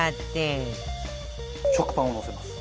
食パンをのせます。